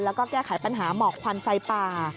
แล้วก็แก้ไขปัญหาหมอกควันไฟป่า